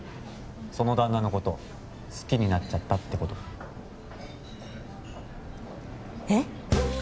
その旦那のこと好きになっちゃったってことえっ？